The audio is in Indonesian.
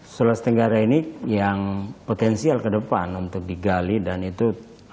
sulawesi tenggara ini yang potensial ke depan untuk digali dan itu